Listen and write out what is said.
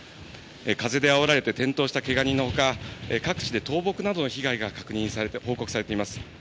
風であおられて転倒したけが人のほか各地で倒木などの被害が確認され、報告されています。